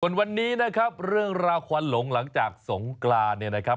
วันนี้นะครับเรื่องราวควันหลงหลังจากสงกรานเนี่ยนะครับ